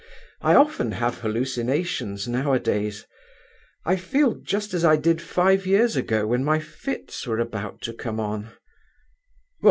I often have hallucinations nowadays. I feel just as I did five years ago when my fits were about to come on."